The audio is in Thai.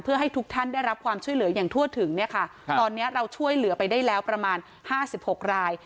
เพื่อให้ทุกท่านได้รับความช่วยเหลืออย่างทั่วถึงเนี่ยค่ะตอนนี้เราช่วยเหลือไปได้แล้วประมาณ๕๖ราย